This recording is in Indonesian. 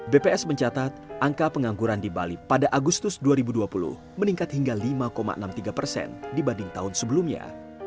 bps mencatat angka pengangguran di bali pada agustus dua ribu dua puluh meningkat hingga lima enam puluh tiga dibanding tahun sebelumnya